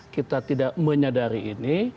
kita tidak menyadari ini